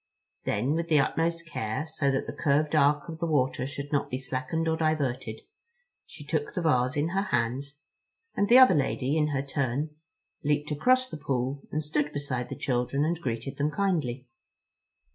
Then, with the utmost care, so that the curved arc of the water should not be slackened or diverted, she took the vase in her hands and the other lady in her turn leaped across the pool and stood beside the children and greeted them kindly.